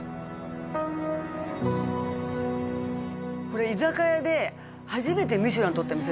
これ居酒屋で初めてミシュランとった店です